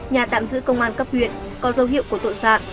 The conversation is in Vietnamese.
nhà tạm giữ công an cấp huyện có dấu hiệu của tội phạm